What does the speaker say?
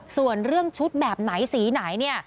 ส่วนเรื่องชุดแบบไหนสีไหนเนี่ย